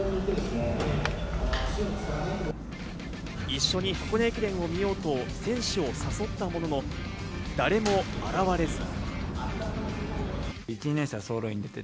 一緒に箱根駅伝を見ようと、選手を誘ったものの、誰も現れず。